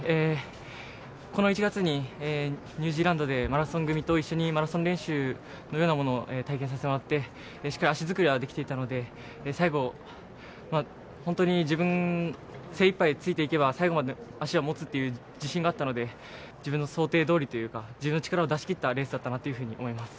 この１月にニュージーランドでマラソン組と一緒にマラソン練習のようなものを体験させてもらって、しっかり足づくりはできていたので最後、本当に自分精いっぱいついていけば最後まで足はもつという自信があったので自分の想定どおりというか、自分の力を出し切ったレースだったかなと思います。